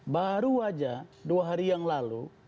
baru aja dua hari yang lalu